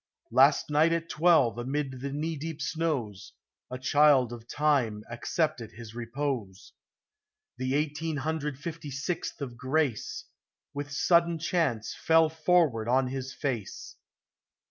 Last night at twelve, amid the knee deep snows, A child of Time accepted his repose, — The eighteen hundred fifty sixth of grace, With sudden chance, fell forward on his face.